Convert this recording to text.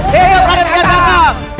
hidup raden kiasatang